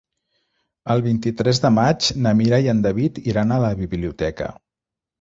El vint-i-tres de maig na Mira i en David iran a la biblioteca.